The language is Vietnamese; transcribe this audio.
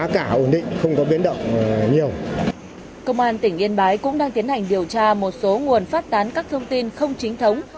công an tỉnh yên bái cũng đang tiến hành điều tra một số nguồn phát tán các thông tin không chính thống